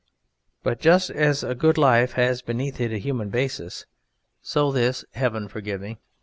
But just as a good life has beneath it a human basis so this (heaven forgive me!)